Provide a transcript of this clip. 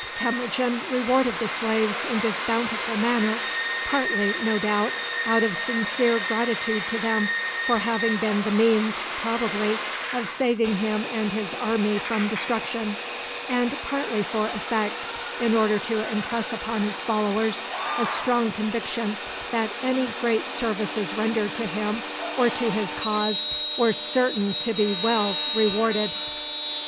Temujin rewarded the slaves in this bountiful manner, partly, no doubt, out of sincere gratitude to them for having been the means, probably, of saving him and his army from destruction, and partly for effect, in order to impress upon his followers a strong conviction that any great services rendered to him or to his cause were certain to be well rewarded.